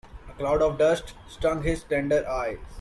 A cloud of dust stung his tender eyes.